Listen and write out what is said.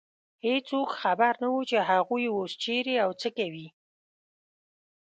هېڅوک خبر نه و، چې هغوی اوس چېرې او څه کوي.